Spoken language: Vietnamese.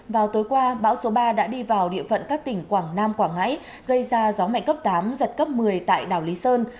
vào tối qua bão số ba đã đi vào địa phận các tỉnh quảng nam quảng ngãi gây ra gió mạnh cấp tám giật cấp một mươi tại đảo lý sơn